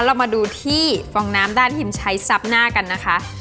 เรามาดูที่ฟองน้ำด้านพิมใช้ซับหน้ากันนะคะ